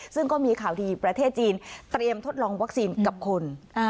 ซึ่งก็มีข่าวดีประเทศจีนเตรียมทดลองวัคซีนกับคน